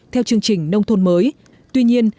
theo chương trình nông thôn mới tuy nhiên